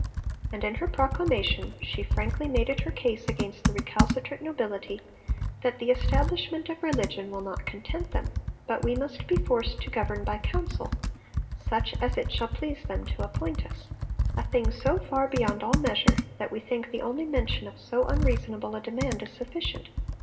And in her proclamation she frankly made it her case against the recalcitrant nobility 'that the establishment of Religion will not content them, but we must be forced to govern by Council, such as it shall please them to appoint us; a thing so far beyond all measure, that we think the only mention of so unreasonable a demand is sufficient